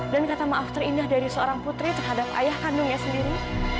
dan kata maaf terindah dari seorang putri terhadap ayah kandungnya sendiri